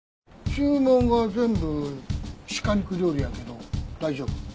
注文が全部鹿肉料理やけど大丈夫？